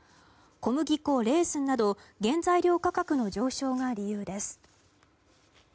小麦粉、レーズンなど原材料価格の上昇が理由です。